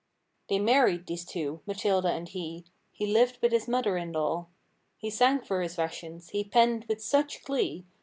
They married, these two, Matilda and he— He lived with his mother in law. He sang for his rations; he penned with such glee.